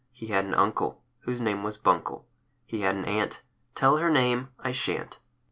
He had an uncle Whose name was Buncle. He had an aunt,— Tell her name I sha'n't!